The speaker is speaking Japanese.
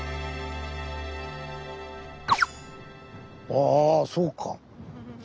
あぁそうか。